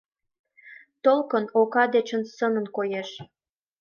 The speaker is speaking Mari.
Толкын ока дечын сылнын коеш.